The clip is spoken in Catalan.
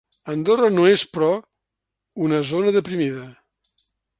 Andorra no és, però, una zona deprimida.